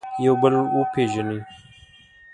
یو بل وپېژني.